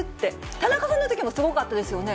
田中さんのときもすごかったですよね。